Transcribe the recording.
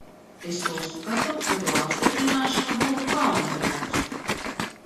Es uzskatu, ka to apstiprināšana būtu kauna traips.